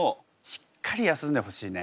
しっかり休んでほしいね。